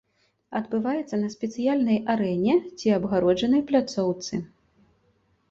Адбываецца на спецыяльнай арэне ці абгароджанай пляцоўцы.